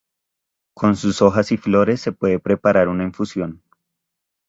Con sus hojas y flores se puede preparar una infusión.